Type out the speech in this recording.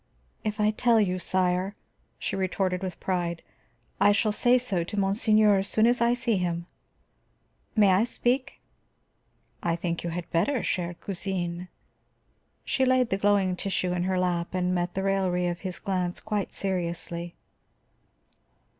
"If I tell you, sire," she retorted with pride, "I shall say so to monseigneur as soon as I see him. Must I speak?" "I think you had better, chère cousine." She laid the glowing tissue in her lap and met the raillery of his glance quite seriously.